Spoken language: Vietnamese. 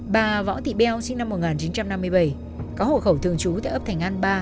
bà võ thị beo sinh năm một nghìn chín trăm năm mươi bảy có hộ khẩu thường trú tại ấp thành an ba